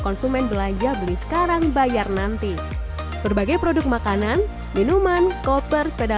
konsumen belanja beli sekarang bayar nanti berbagai produk makanan minuman koper sepeda